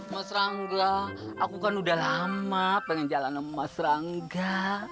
mas rangga aku kan udah lama pengen jalanan mas rangga